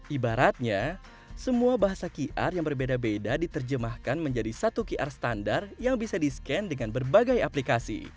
ibaratnya semua bahasa qr yang berbeda beda diterjemahkan menjadi satu qr standar yang bisa di scan dengan berbagai aplikasi